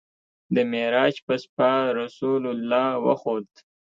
د معراج په شپه رسول الله وخوت.